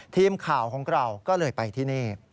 ทีมข่าวของเราก็เลยไปที่นี่